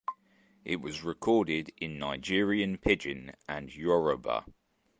It was recorded in Nigerian pidgin and Yoruba.